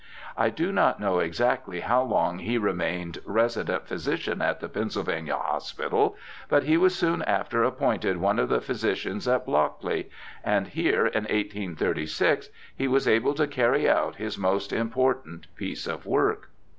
I do not know exactly how long he remained resident 2o8 BIOGRAPHICAL ESSAYS physician at the Pennsylvania Hospital, but he was soon after appointed one of the physicians at Blockley, and here in 1836 he was able to carry out his most important piece of work.